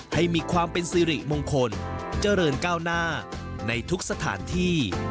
ให้มีความเป็นสิริมงคลเจริญก้าวหน้าในทุกสถานที่